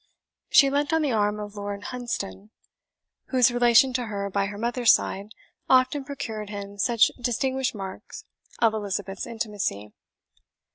She leant on the arm of Lord Hunsdon, whose relation to her by her mother's side often procured him such distinguished marks of Elizabeth's intimacy.